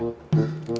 mau dikasih makan batu